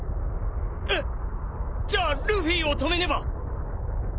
えっじゃあルフィを止めねば！